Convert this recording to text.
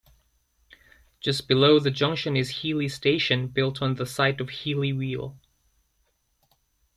Just below the junction is Heeley Station, built on the site of Heeley Wheel.